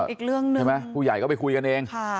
อีกเรื่องหนึ่งใช่ไหมผู้ใหญ่ก็ไปคุยกันเอง